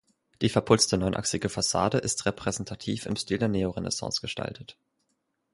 Die verputzte neunachsige Fassade ist repräsentativ im Stil der Neorenaissance gestaltet.